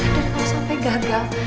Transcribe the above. dan kalau sampai gagal